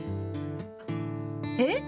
えっ？